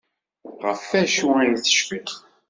Ɣef wacu ay tecfiḍ?